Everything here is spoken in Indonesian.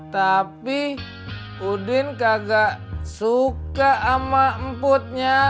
tapi udin kagak suka sama emputnya